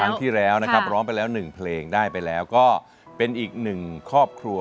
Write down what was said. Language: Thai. ครั้งที่แล้วนะครับร้องไปแล้ว๑เพลงได้ไปแล้วก็เป็นอีกหนึ่งครอบครัว